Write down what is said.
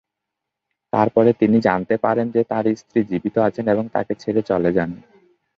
তারপরে তিনি জানতে পারেন যে তার স্ত্রী জীবিত আছেন এবং তাকে ছেড়ে চলে যান।